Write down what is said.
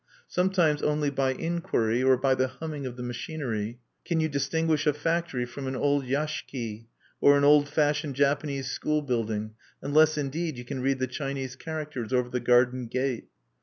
Sometimes only by inquiry, or by the humming of the machinery, can you distinguish a factory from an old yashiki, or an old fashioned Japanese school building, unless indeed you can read the Chinese characters over the garden gate.